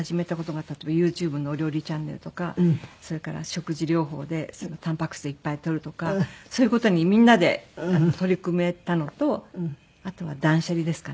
例えばＹｏｕＴｕｂｅのお料理チャンネルとかそれから食事療法でたんぱく質をいっぱい取るとかそういう事にみんなで取り組めたのとあとは断捨離ですかね。